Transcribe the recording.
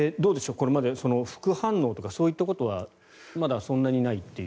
これまで副反応とかそういったことはまだそんなにないという？